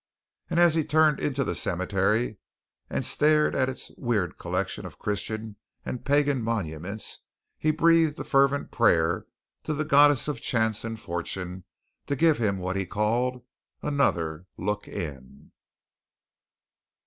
And as he turned into the cemetery and stared at its weird collection of Christian and pagan monuments he breathed a fervent prayer to the Goddesses of Chance and Fortune to give him what he called "another look in."